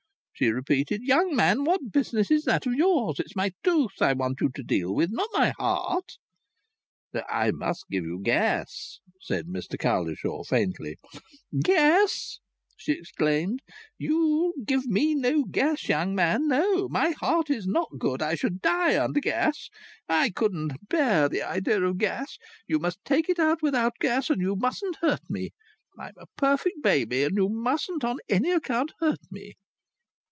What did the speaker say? she repeated. "Young man, what business is that of yours? It's my tooth I want you to deal with, not my heart." "I must give you gas," said Mr Cowlishaw, faintly. "Gas!" she exclaimed. "You'll give me no gas, young man. No! My heart is not good. I should die under gas. I couldn't bear the idea of gas. You must take it out without gas, and you mustn't hurt me. I'm a perfect baby, and you mustn't on any account hurt me."